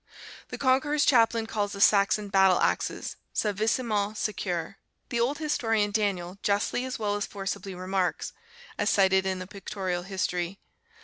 [The Conqueror's chaplain calls the Saxon battle axes "saevissimas secures."] The old historian Daniel justly as well as forcibly remarks, [As cited in the "Pictorial History."